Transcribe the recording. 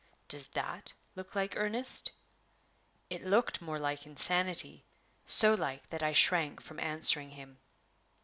"Does that look like earnest?" It looked more like insanity so like that I shrank from answering him.